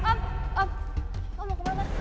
om om mau kemana